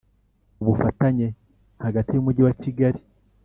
ubufatanye hagati y Umujyi wa Kigali